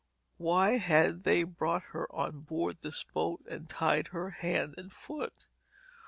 Why had they brought her on board this boat and tied her hand and foot?